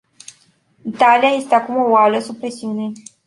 Italia este acum o oală sub presiune.